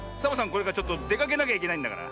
これからちょっとでかけなきゃいけないんだから。